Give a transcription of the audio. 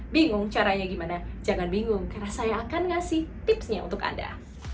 bingung caranya gimana jangan bingung karena saya akan ngasih tipsnya untuk anda